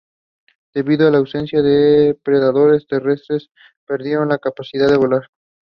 Please!